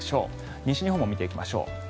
西日本も見ていきましょう。